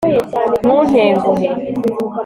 ntuntenguhe